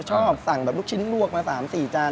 ชอบสั่งแบบลูกชิ้นลวกมา๓๔จาน